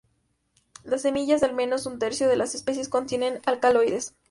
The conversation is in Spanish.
Las semillas de al menos un tercio de las especies contienen alcaloides.